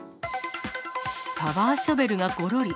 パワーショベルがぽろり。